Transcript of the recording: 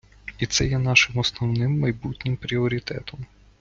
І це є нашим основним майбутнім пріоритетом.